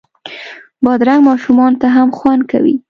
بادرنګ ماشومانو ته هم خوند کوي.